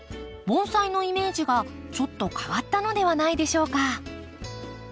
盆栽のイメージがちょっと変わったのではないでしょうか？